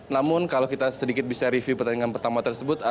namun kalau kita sedikit bisa review pertandingan pertama tersebut